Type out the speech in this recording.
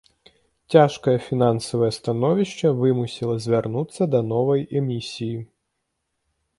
Цяжкае фінансавае становішча вымусіла звярнуцца да новай эмісіі.